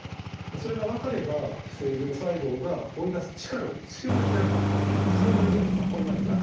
それが分かれば正常細胞が追い出す力を強めてやるというそういうこれまでになかったがんの。